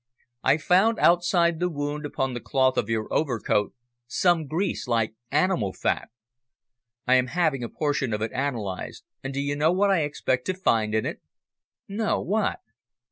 I found outside the wound upon the cloth of your overcoat some grease, like animal fat. I am having a portion of it analysed and do you know what I expect to find in it?" "No; what?"